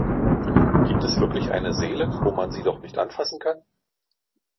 Gibt es wirklich eine Seele, wo man sie doch nicht anfassen kann?